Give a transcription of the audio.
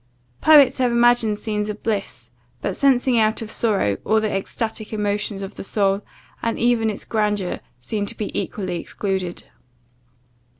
Poets have imagined scenes of bliss; but, sencing out sorrow, all the extatic emotions of the Soul, and even its grandeur, seem to be equally excluded.